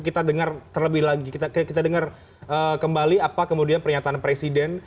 kita dengar terlebih lagi kita dengar kembali apa kemudian pernyataan presiden